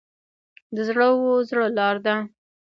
د زړه و زړه لار ده.